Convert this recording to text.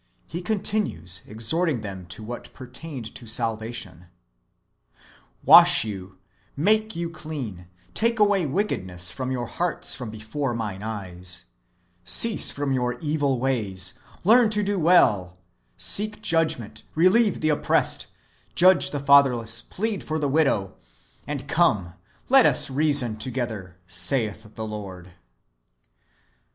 He continues, exhorting them to what pertained to salvation :" Wash you, make you clean, take away wickedness from your hearts from before mine eyes : cease from your evil ways, learn to do well, seek judgment, relieve the oppressed, judge the fatherless, plead for the widow ; and come, let us reason together, saith the Lord."